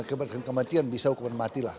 kematian bisa hukuman mati lah